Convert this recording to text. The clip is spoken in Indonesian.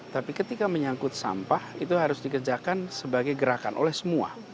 tapi ketika menyangkut sampah itu harus dikerjakan sebagai gerakan oleh semua